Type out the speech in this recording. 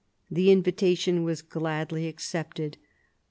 The invitation was gladly accepted.